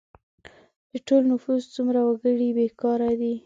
د ټول نفوس څومره وګړي بې کاره دي؟